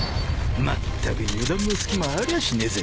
［まったく油断も隙もありゃしねえぜ］